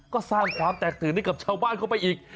ก็สร้างความแตกตื่นให้กับชาวบ้านเข้าไปอีก